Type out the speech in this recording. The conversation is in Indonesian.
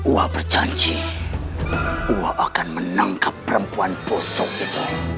wak bercanji wak akan menangkap perempuan bosok itu